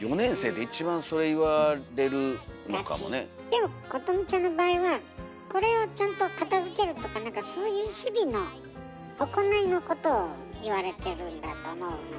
でもことみちゃんの場合はこれをちゃんと片づけるとか何かそういう日々の行いのことを言われてるんだと思うのよね。